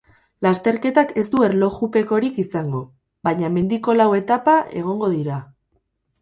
Lasterketak ez du erlojupekorik izango, baina mendiko lau etapa egongo dira.